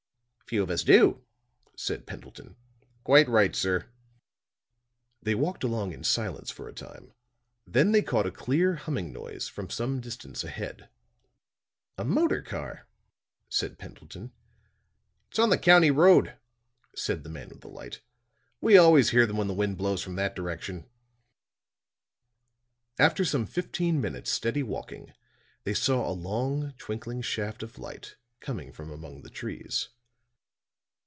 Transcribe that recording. "Few of us do," said Pendleton. "Quite right, sir." They walked along in silence for a time; then they caught a clear humming noise from some distance ahead. "A motor car," said Pendleton. "It's on the county road," said the man with the light. "We always hear them when the wind blows from that direction." After some fifteen minutes' steady walking they saw a long twinkling shaft of light coming from among the trees.